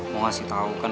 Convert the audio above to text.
mau ngasih tahu kan